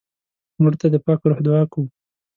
مړه ته د پاک روح دعا کوو